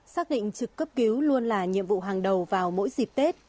xác định trực cấp cứu luôn là nhiệm vụ hàng đầu vào mỗi dịp tết